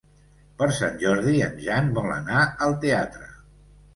Per Sant Jordi en Jan vol anar al teatre.